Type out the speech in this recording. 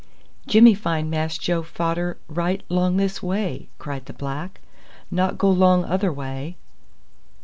"Jimmy find Mass Joe fader right 'long this way," cried the black. "Not go 'long other way."